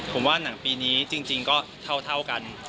ผมว่าหนังปีนี้จริงก็เท่ากัน